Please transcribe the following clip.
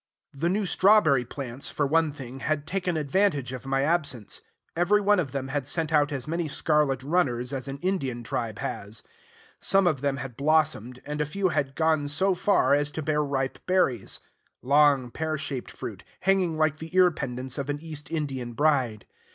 The new strawberry plants, for one thing, had taken advantage of my absence. Every one of them had sent out as many scarlet runners as an Indian tribe has. Some of them had blossomed; and a few had gone so far as to bear ripe berries, long, pear shaped fruit, hanging like the ear pendants of an East Indian bride.